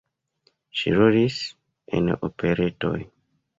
Ŝi rolis en operetoj.